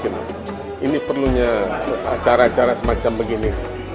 ini perlunya acara acara semacam begini